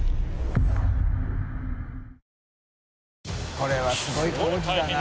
これはすごい工事だな。